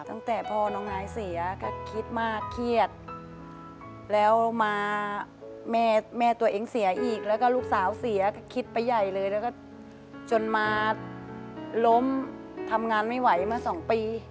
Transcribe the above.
ตั้งแต่พ่อน้องนายเสียก็คิดมากเครียดแล้วมาแม่แม่ตัวเองเสียอีกแล้วก็ลูกสาวเสียคิดไปใหญ่เลยแล้วก็จนมาล้มทำงานไม่ไหวมาสองปี